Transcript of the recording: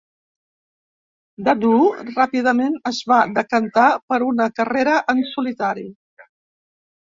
Dadoo ràpidament es va decantar per una carrera en solitari.